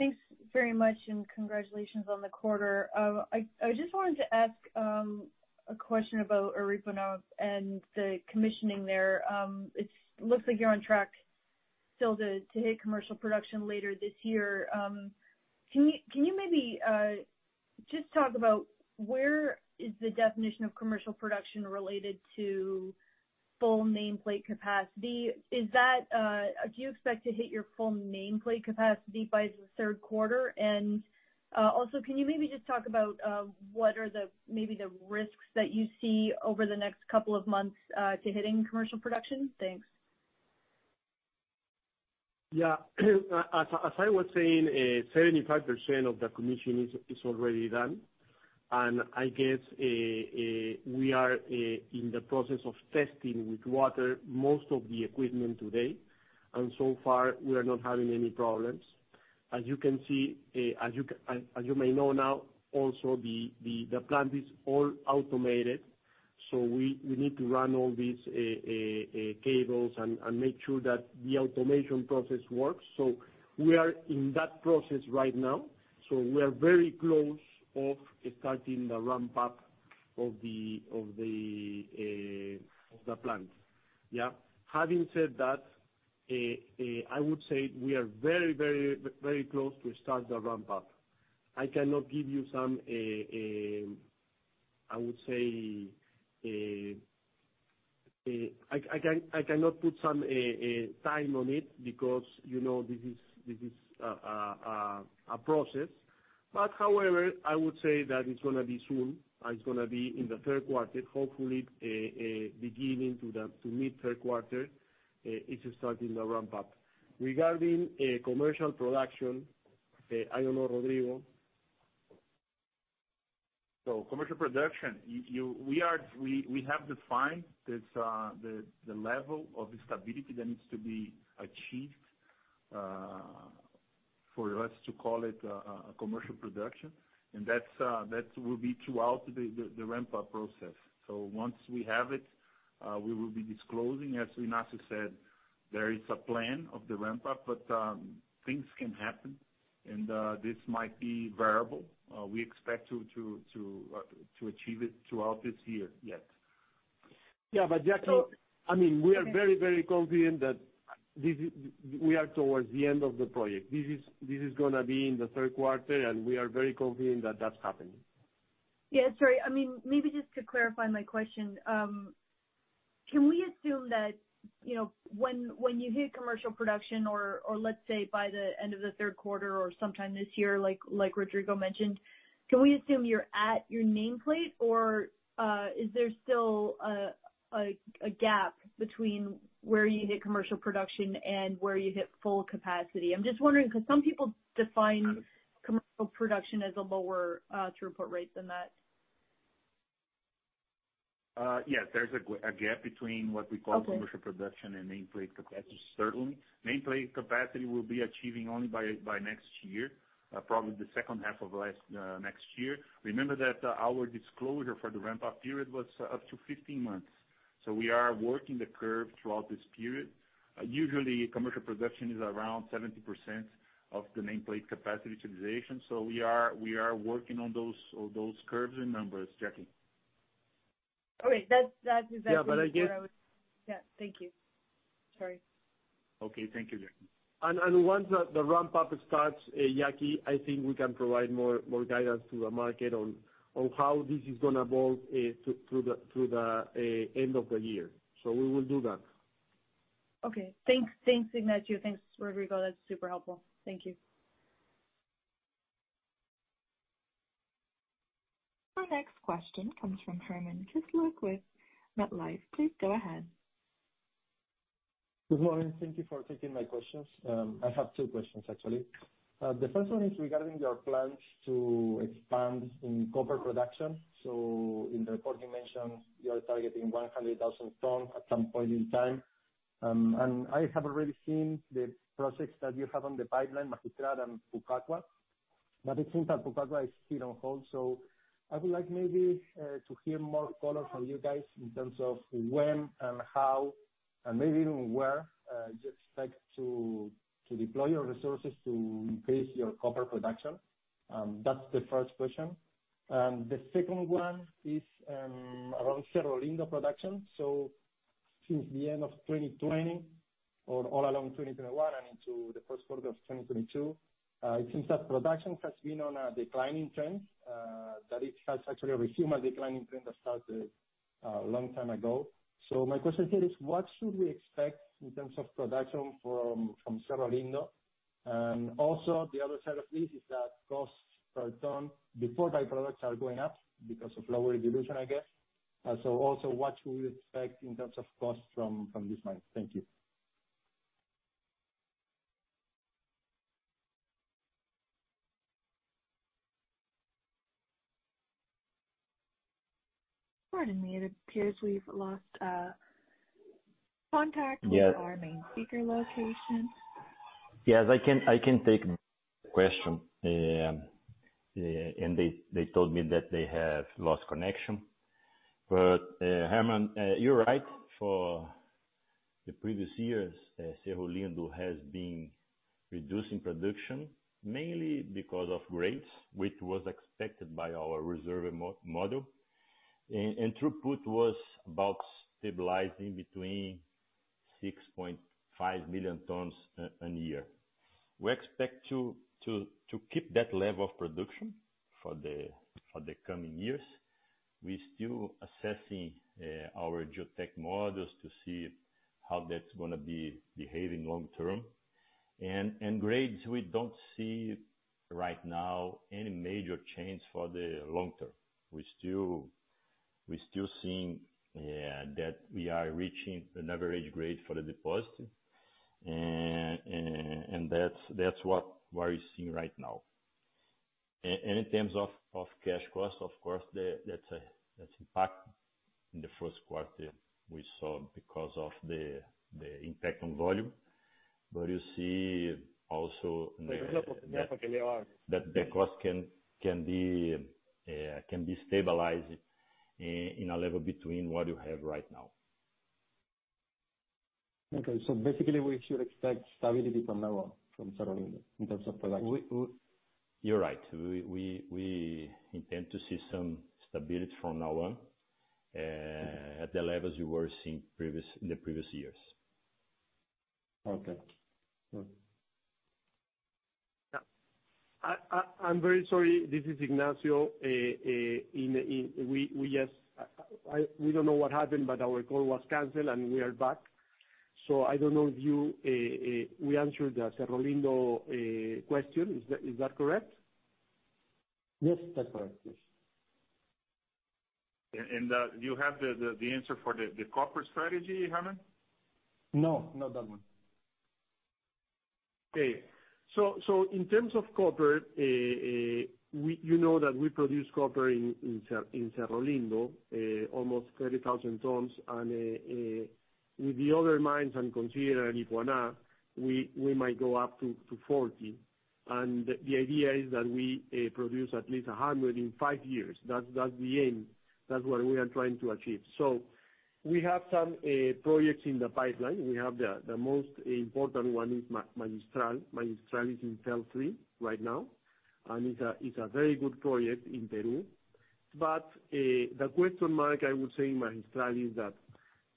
Thanks very much, and congratulations on the quarter. I just wanted to ask a question about Aripuanã and the commissioning there. It looks like you're on track still to hit commercial production later this year. Can you maybe just talk about where the definition of commercial production related to full nameplate capacity? Is that do you expect to hit your full nameplate capacity by the third quarter? Also, can you maybe just talk about what are the, maybe, the risks that you see over the next couple of months to hitting commercial production? Thanks. As I was saying, 75% of the commissioning is already done. I guess we are in the process of testing with water most of the equipment today. So far we are not having any problems. As you may know now, also the plant is all automated, so we need to run all these cables and make sure that the automation process works. We are in that process right now. We are very close to starting the ramp up of the plant. Having said that, I would say we are very close to start the ramp up. I cannot put a time on it because, you know, this is a process. However, I would say that it's gonna be soon, and it's gonna be in the third quarter, hopefully, beginning to mid third quarter, it is starting to ramp up. Regarding commercial production, I don't know, Rodrigo. We have defined the level of the stability that needs to be achieved for us to call it a commercial production. That will be throughout the ramp-up process. Once we have it, we will be disclosing. As Ignacio said, there is a plan of the ramp up, but things can happen. This might be variable. We expect to achieve it throughout this year, yes. Yeah. Jackie, I mean, we are very, very confident we are towards the end of the project. This is gonna be in the third quarter, and we are very confident that that's happening. Yeah. Sorry. I mean, maybe just to clarify my question, can we assume that, you know, when you hit commercial production or let's say by the end of the third quarter or sometime this year like Rodrigo mentioned, can we assume you're at your nameplate, or is there still a gap between where you hit commercial production and where you hit full capacity? I'm just wondering because some people define commercial production as a lower throughput rate than that. Yes, there's a GAAP gap between what we call. Okay. Commercial production and nameplate capacity, certainly. Nameplate capacity we'll be achieving only by next year, probably the second half of next year. Remember that our disclosure for the ramp-up period was up to 15 months. We are working the curve throughout this period. Usually, commercial production is around 70% of the nameplate capacity utilization. We are working on those curves and numbers, Jackie. Okay. That is actually what I was. Yeah, I guess. Yeah. Thank you. Sorry. Okay, thank you, Jackie. Once the ramp up starts, Jackie, I think we can provide more guidance to the market on how this is gonna evolve through the end of the year. We will do that. Okay. Thanks. Thanks, Ignacio. Thanks, Rodrigo. That's super helpful. Thank you. Our next question comes from Hernán Kisluk with MetLife. Please go ahead. Good morning. Thank you for taking my questions. I have two questions actually. The first one is regarding your plans to expand in copper production. In the report, you mentioned you are targeting 100,000 tons at some point in time. I have already seen the projects that you have on the pipeline, Magistral and Pukaqaqa. It seems that Pukaqaqa is still on hold, so I would like maybe to hear more color from you guys in terms of when and how, and maybe even where you expect to deploy your resources to increase your copper production. That's the first question. The second one is around Cerro Lindo production. Since the end of 2020 or all along 2021 and into the first quarter of 2022, it seems that production has been on a declining trend, that it has actually resumed a declining trend that started a long time ago. My question here is what should we expect in terms of production from Cerro Lindo? And also, the other side of this is that costs per ton before byproducts are going up because of lower dilution, I guess. Also what should we expect in terms of costs from this mine? Thank you. Pardon me. It appears we've lost contact. Yeah. With our main speaker location. Yes, I can take question. They told me that they have lost connection. Hernán, you're right. For the previous years, Cerro Lindo has been reducing production mainly because of grades, which was expected by our reserve model. Throughput was about stabilizing between 6.5 million tons a year. We expect to keep that level of production for the coming years. We're still assessing our geotech models to see how that's gonna be behaving long term. Grades we don't see right now any major change for the long term. We're still seeing that we are reaching an average grade for the deposit. That's what we're seeing right now. In terms of cash costs, of course, that's the impact in the first quarter we saw because of the impact on volume. You see also that the cost can be stabilized in a level between what you have right now. Okay. Basically, we should expect stability from now on from Cerro Lindo in terms of production. You're right. We intend to see some stability from now on at the levels you were seeing previously, in the previous years. Okay. I'm very sorry. This is Ignacio. We don't know what happened, but our call was canceled and we are back. I don't know if we answered the Cerro Lindo question. Is that correct? Yes, that's correct. Yes. Do you have the answer for the corporate strategy, Hernán? No, not that one. In terms of copper, you know that we produce copper in Cerro Lindo, almost 30,000 tons and with the other mines and considering Aripuanã, we might go up to 40. The idea is that we produce at least 100 in five years. That's the aim. That's what we are trying to achieve. We have some projects in the pipeline. We have the most important one is Magistral. Magistral is in FEL 3 right now, and it's a very good project in Peru. The question mark I would say in Magistral is that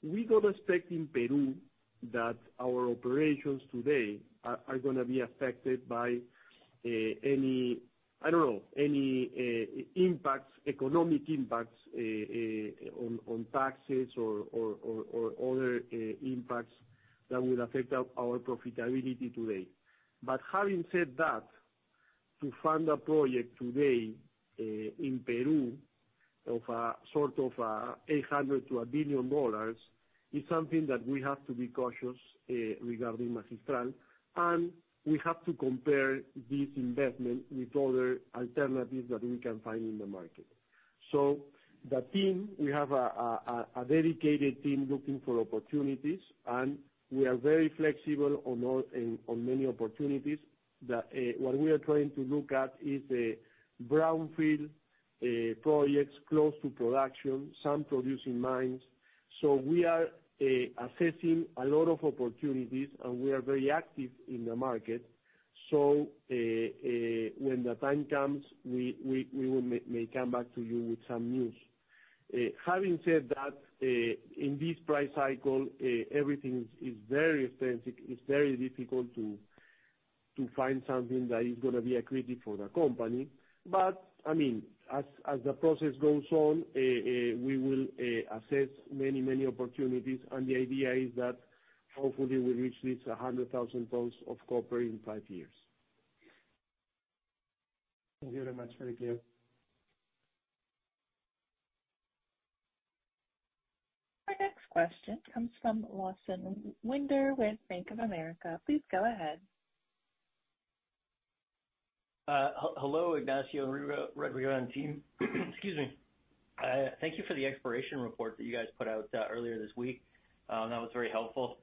we don't expect in Peru that our operations today are gonna be affected by any economic impacts on taxes or other impacts that will affect our profitability today. Having said that, to fund a project today in Peru of sort of $800 million-$1 billion is something that we have to be cautious regarding Magistral, and we have to compare this investment with other alternatives that we can find in the market. We have a dedicated team looking for opportunities, and we are very flexible on many opportunities. What we are trying to look at is the brownfield projects close to production, some producing mines. We are assessing a lot of opportunities, and we are very active in the market. When the time comes, we may come back to you with some news. Having said that, in this price cycle, everything is very expensive. It's very difficult to find something that is gonna be accretive for the company. I mean, as the process goes on, we will assess many opportunities. The idea is that hopefully we reach 100,000 tons of copper in five years. Thank you very much. Very clear. Our next question comes from Lawson Winder with Bank of America. Please go ahead. Hello, Ignacio, Rodrigo, and team. Excuse me. Thank you for the exploration report that you guys put out earlier this week. That was very helpful.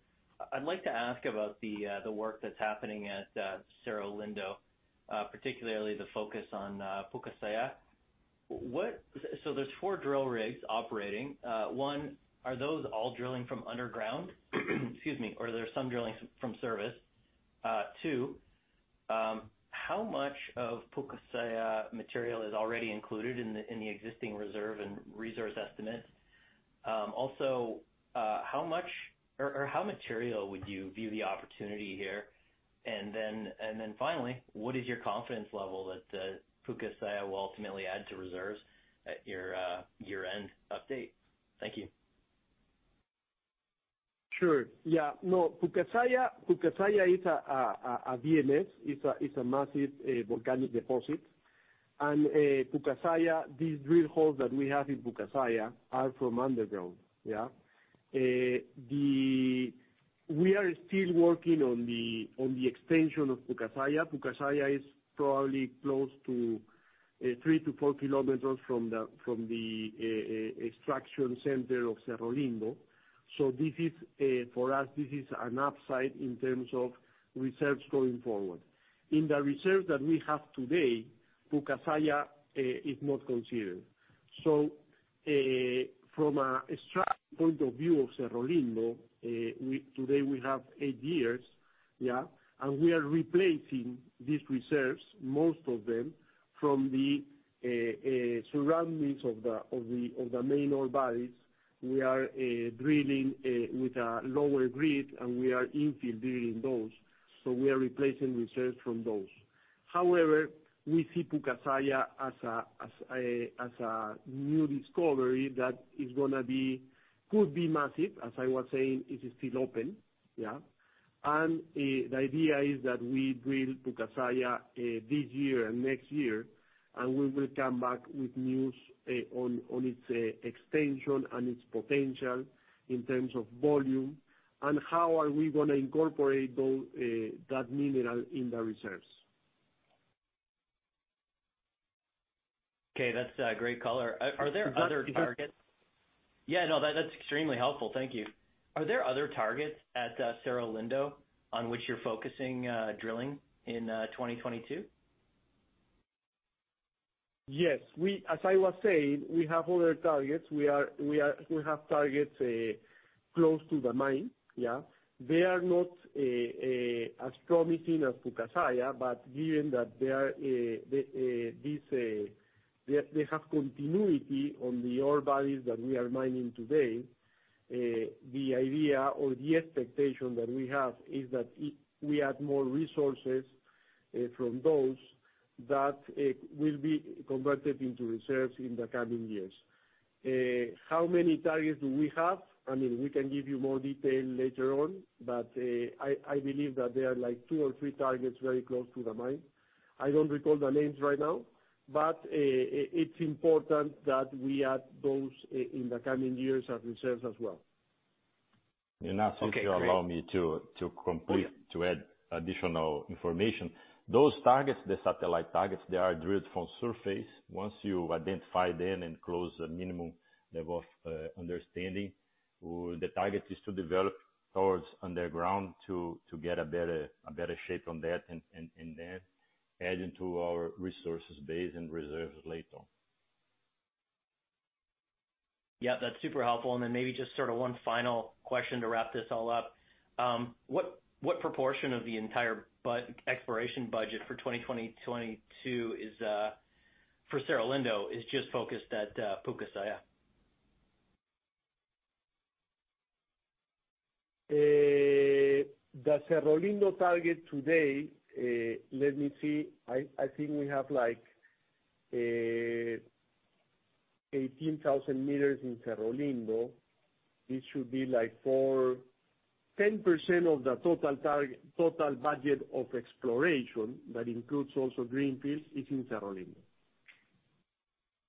I'd like to ask about the work that's happening at Cerro Lindo, particularly the focus on Pucasaia. So there's four drill rigs operating. One, are those all drilling from underground? Excuse me. Or are there some drilling from surface? Two, how much of Pucasaia material is already included in the existing reserve and resource estimates? Also, how much or how material would you view the opportunity here? Finally, what is your confidence level that Pucasaia will ultimately add to reserves at your year-end update? Thank you. Sure. Yeah, no. Pukaqaqa is a VMS. It's a massive volcanic deposit. Pukaqaqa, these drill holes that we have in Pukaqaqa are from underground. We are still working on the extension of Pukaqaqa. Pukaqaqa is probably close to 3-4 km from the extraction center of Cerro Lindo. This is for us an upside in terms of reserves going forward. In the reserves that we have today, Pukaqaqa is not considered. From a structural point of view of Cerro Lindo, we today have eight years. We are replacing these reserves, most of them, from the surroundings of the main ore bodies. We are drilling with a lower grid, and we are infill drilling those. We are replacing reserves from those. However, we see Pukaqaqa as a new discovery that is gonna be, could be massive. As I was saying, it is still open, yeah. The idea is that we drill Pukaqaqa this year and next year, and we will come back with news on its extension and its potential in terms of volume, and how are we gonna incorporate that mineral in the reserves. Okay. That's great color. Are there other targets? Yeah, no, that's extremely helpful. Thank you. Are there other targets at Cerro Lindo on which you're focusing drilling in 2022? Yes. As I was saying, we have other targets. We have targets close to the mine. They are not as promising as Pukaqaqa, but given that they have continuity on the ore bodies that we are mining today. The idea or the expectation that we have is that we add more resources from those that will be converted into reserves in the coming years. How many targets do we have? I mean, we can give you more detail later on. I believe that there are like two or three targets very close to the mine. I don't recall the names right now, but it's important that we add those in the coming years as reserves as well. Ignacio- Okay, great. If you allow me to complete. Oh, yeah. To add additional information. Those targets, the satellite targets, they are drilled from surface. Once you identify them and close the minimum level of understanding, the target is to develop towards underground to get a better shape on that and then add into our resources base and reserves later. Yeah, that's super helpful. Then maybe just sort of one final question to wrap this all up. What proportion of the entire exploration budget for 2022 is for Cerro Lindo is just focused at Pukaqaqa? The Cerro Lindo target today, let me see. I think we have like 18,000 meters in Cerro Lindo. It should be like 10% of the total target, total budget of exploration that includes also greenfields is in Cerro Lindo,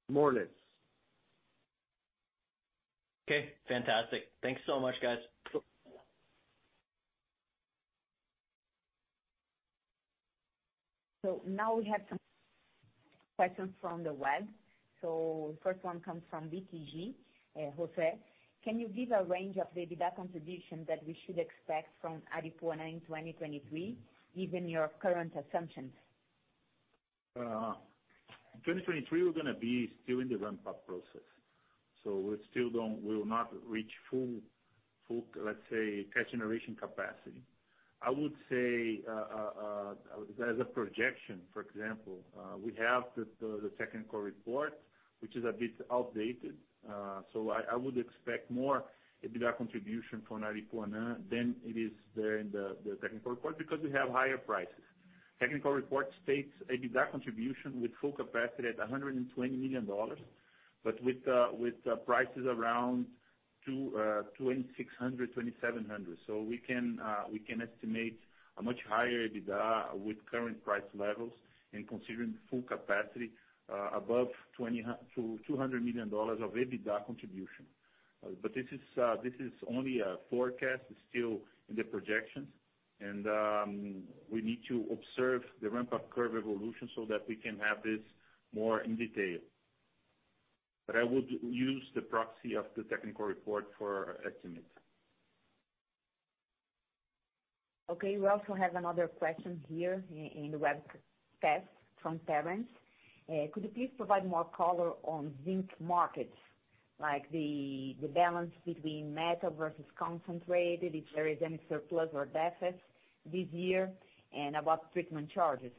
more or less. Okay, fantastic. Thanks so much, guys. Sure. Now we have some questions from the web. First one comes from BTG Pactual, Jose. Can you give a range of the EBITDA contribution that we should expect from Aripuanã in 2023, given your current assumptions? In 2023, we're gonna be still in the ramp-up process. We will not reach full- Full cash generation capacity. I would say as a projection, for example, we have the technical report, which is a bit outdated. I would expect more EBITDA contribution from Aripuanã than it is there in the technical report because we have higher prices. Technical report states EBITDA contribution with full capacity at $120 million, but with prices around $2,600, $2,700. We can estimate a much higher EBITDA with current price levels and considering full capacity above $200 million of EBITDA contribution. This is only a forecast. It's still in the projections, and we need to observe the ramp up curve evolution so that we can have this more in detail. I would use the proxy of the technical report for estimating. Okay, we also have another question here in the webcast from Terence. Could you please provide more color on zinc markets, like the balance between metal versus concentrate, if there is any surplus or deficit this year, and about treatment charges?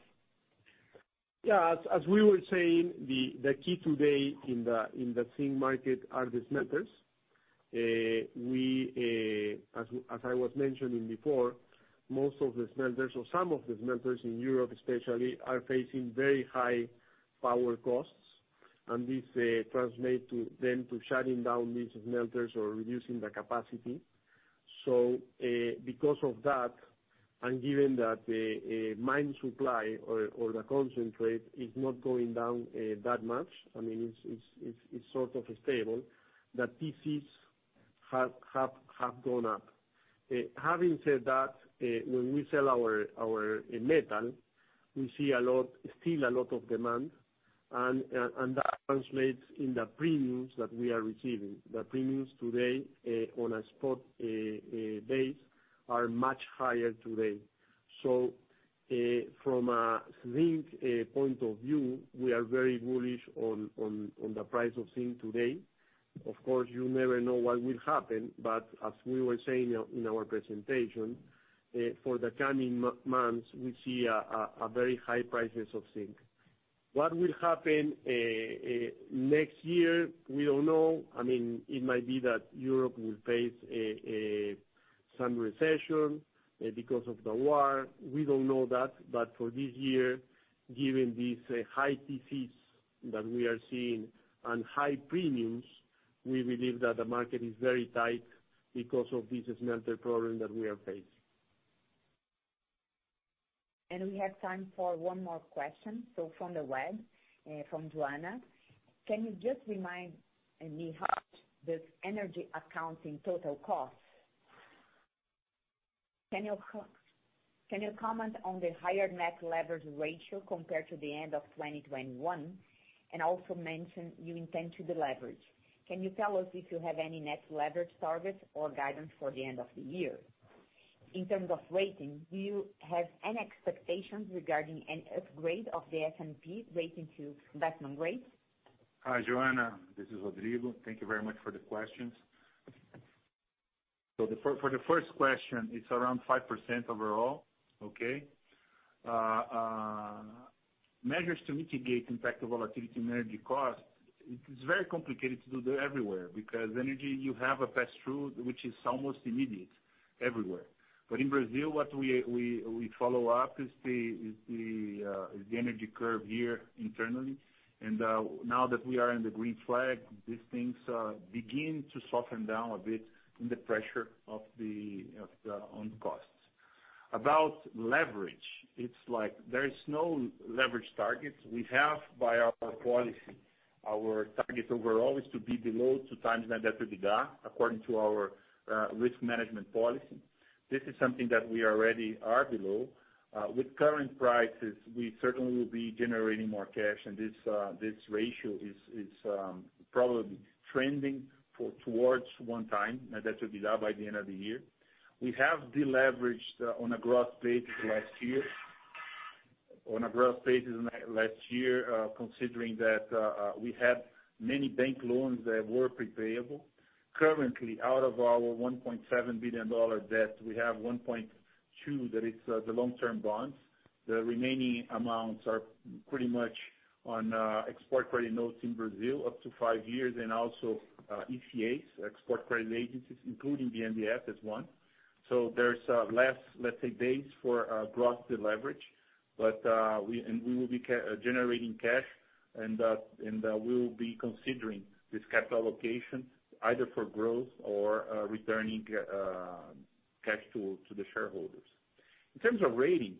As we were saying, the key today in the zinc market are the smelters. We as I was mentioning before, most of the smelters or some of the smelters in Europe especially, are facing very high power costs, and this translate to them to shutting down these smelters or reducing the capacity. Because of that, and given that the mine supply or the concentrate is not going down that much, I mean, it's sort of stable, the TC's have gone up. Having said that, when we sell our metal, we see a lot, still a lot of demand, and that translates in the premiums that we are receiving. The premiums today on a spot base are much higher today. From a zinc point of view, we are very bullish on the price of zinc today. Of course, you never know what will happen, but as we were saying in our presentation, for the coming months we see a very high prices of zinc. What will happen next year, we don't know. I mean, it might be that Europe will face some recession because of the war. We don't know that. For this year, given these high TCs that we are seeing and high premiums, we believe that the market is very tight because of this smelter problem that we are facing. We have time for one more question. From the web, from Joanna: Can you just remind me how this energy accounts in total costs? Can you comment on the higher net leverage ratio compared to the end of 2021? Also mention you intend to deleverage. Can you tell us if you have any net leverage targets or guidance for the end of the year? In terms of rating, do you have any expectations regarding an upgrade of the S&P rating to investment grade? Hi, Joanna. This is Rodrigo. Thank you very much for the questions. For the first question, it's around 5% overall. Okay? Measures to mitigate impact of volatility in energy costs, it's very complicated to do that everywhere because energy you have a pass-through which is almost immediate everywhere. In Brazil what we follow up is the energy curve here internally. Now that we are in the green flag, these things begin to soften down a bit in the pressure of the own costs. About leverage, it's like there is no leverage targets. We have by our policy, our target overall is to be below 2x net debt to EBITDA according to our risk management policy. This is something that we already are below. With current prices we certainly will be generating more cash and this ratio is probably trending towards 1x net debt to EBITDA by the end of the year. We have deleveraged on a gross basis last year, considering that we had many bank loans that were pre-payable. Currently, out of our $1.7 billion debt, we have $1.2 billion that is the long-term bonds. The remaining amounts are pretty much on export credit notes in Brazil up to five years and also ECAs, export credit agencies, including the KfW as one. There's less, let's say, base for gross deleverage, but we will be generating cash and we will be considering this capital allocation either for growth or returning cash to the shareholders. In terms of rating,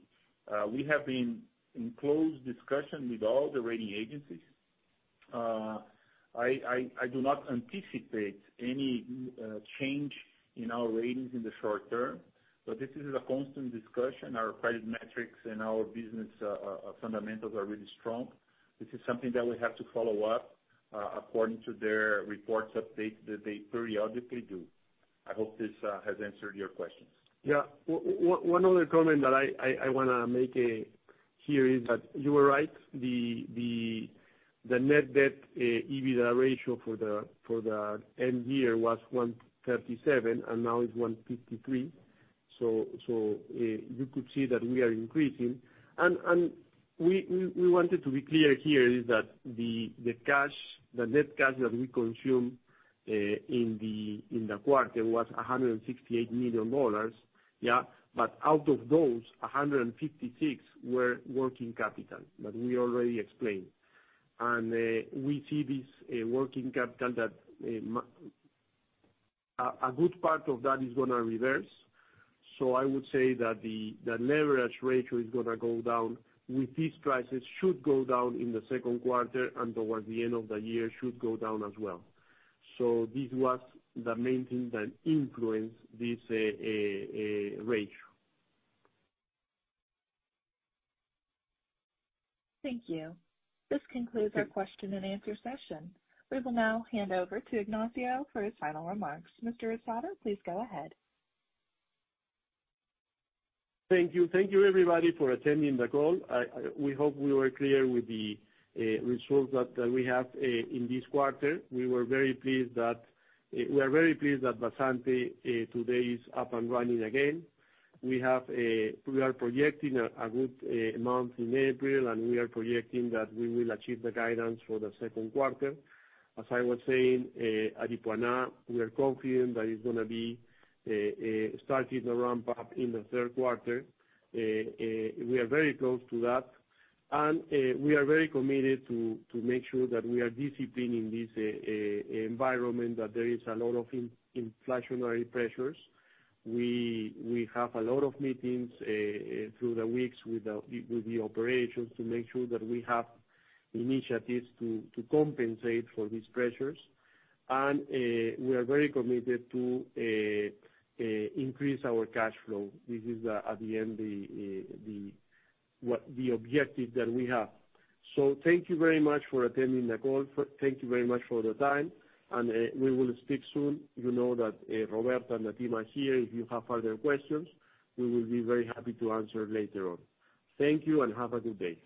we have been in close discussion with all the rating agencies. I do not anticipate any change in our ratings in the short term, but this is a constant discussion. Our credit metrics and our business fundamentals are really strong. This is something that we have to follow up according to their reports updates that they periodically do. I hope this has answered your questions. One other comment that I wanna make. Here is that you are right, the net debt EBITDA ratio for the end year was 1.37, and now it's 1.53. You could see that we are increasing. We wanted to be clear here is that the cash, the net cash that we consume in the quarter was $168 million. But out of those, $156 million were working capital that we already explained. We see this working capital that a good part of that is gonna reverse. I would say that the leverage ratio is gonna go down with these prices, should go down in the second quarter, and towards the end of the year should go down as well. This was the main thing that influenced this ratio. Thank you. This concludes our question and answer session. We will now hand over to Ignacio for his final remarks. Mr. Rosado, please go ahead. Thank you. Thank you everybody for attending the call. We hope we were clear with the results that we have in this quarter. We are very pleased that Vazante today is up and running again. We are projecting a good month in April, and we are projecting that we will achieve the guidance for the second quarter. As I was saying, Aripuanã, we are confident that it's gonna be starting the ramp up in the third quarter. We are very close to that. We are very committed to make sure that we are disciplined in this environment, that there is a lot of inflationary pressures. We have a lot of meetings through the weeks with the operations to make sure that we have initiatives to compensate for these pressures. We are very committed to increase our cash flow. This is at the end the objective that we have. Thank you very much for attending the call. Thank you very much for the time. We will speak soon. You know that, Roberta and Natima here, if you have further questions, we will be very happy to answer later on. Thank you and have a good day.